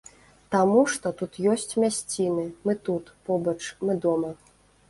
Таму што тут ёсць мясціны, мы тут, побач, мы дома.